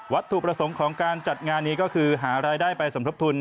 ถูกประสงค์ของการจัดงานนี้ก็คือหารายได้ไปสมทบทุน